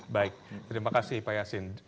baik terima kasih pak yasin